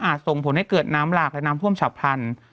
ส่งผลให้เกิดน้ำหลากและน้ำท่วมฉับพลัน